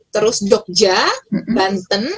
terus jogja banten